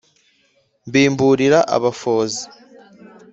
mbimburira abafozi